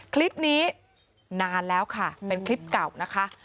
คลิปนี้นานแล้วค่ะเป็นคลิปเก่านะคะ